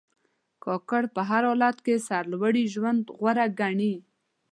کاکړ په هر حالت کې سرلوړي ژوند غوره ګڼي.